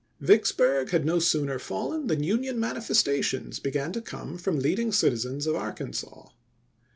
July 4, 1863. Vicksburg had no sooner fallen than Union man ifestations began to come from leading citizens of Arkansas.